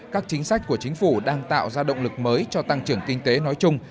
các chính sách của chính phủ đang tạo ra động lực mới cho tăng trưởng kinh tế nói chung